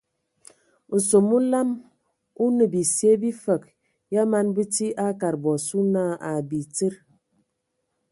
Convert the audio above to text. Nsom məlam o nə bisye bifəg ya man bəti a kad bɔ asu na abitsid.